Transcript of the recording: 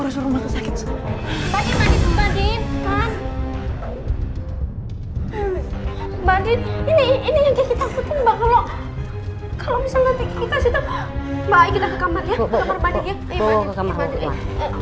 harus rumah sakit badan badan ini ini yang kita kalau misalnya kita kita ke kamarnya